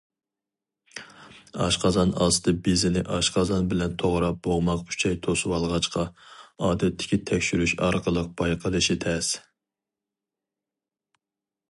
ئاشقازان ئاستى بېزىنى ئاشقازان بىلەن توغرا بوغماق ئۈچەي توسۇۋالغاچقا، ئادەتتىكى تەكشۈرۈش ئارقىلىق بايقىلىشى تەس.